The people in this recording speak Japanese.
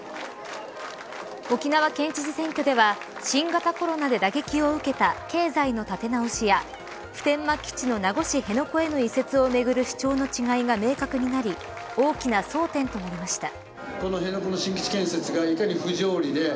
沖縄県知事選挙では新型コロナで打撃を受けた経済の立て直しや普天間基地の名護市辺野古への移設をめぐる主張の違いが明確になり大きな争点なりました。